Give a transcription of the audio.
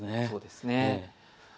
そうですね。